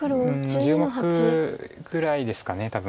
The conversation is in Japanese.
１０目ぐらいですか多分。